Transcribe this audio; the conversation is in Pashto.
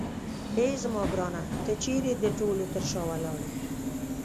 اې زما ګرانه ته چیرې د ټولو تر شا ولاړ یې.